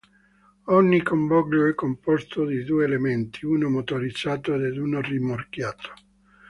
Ogni convoglio è composto di due elementi, uno motorizzato ed uno rimorchiato.